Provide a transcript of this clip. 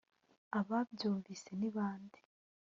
ababyumvise ni bande